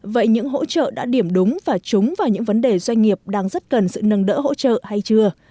vậy những hỗ trợ đã điểm đúng và trúng vào những vấn đề doanh nghiệp đang rất cần sự nâng đỡ hỗ trợ hay chưa